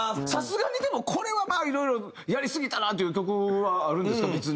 さすがにでもこれはまあいろいろやりすぎたなっていう曲はあるんですか？